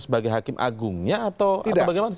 sebagai hakim agungnya atau bagaimana